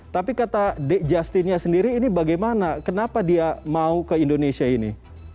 tapi kata dek justinnya sendiri ini bagaimana kenapa dia mau ke indonesia ini